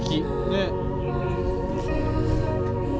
ねっ。